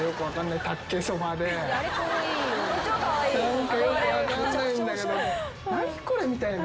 何かよく分かんないんだけど「何？これ」みたいな。